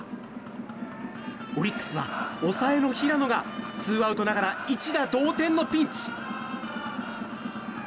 オリックスは、抑えの平野がツーアウトながら一打同点のピンチ。